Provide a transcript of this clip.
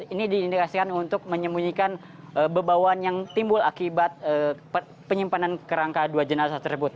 ini diindikasikan untuk menyembunyikan bebauan yang timbul akibat penyimpanan kerangka dua jenazah tersebut